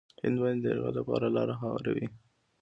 هند باندې د یرغل لپاره لاره هواروي.